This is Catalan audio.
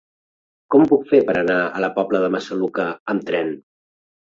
Com ho puc fer per anar a la Pobla de Massaluca amb tren?